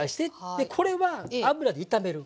でこれは油で炒める。